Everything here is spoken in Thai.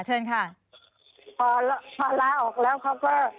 พอลาออกแล้วเขาก็